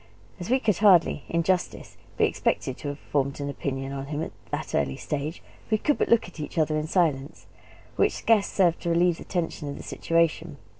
As we could hardly, in justice, be expected to have formed an opinion on him at that early stage, we could but look at each other in silence; which scarce served to relieve the tension of the situation.